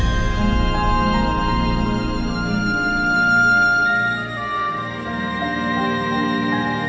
ayo viran buah hangur tenho konten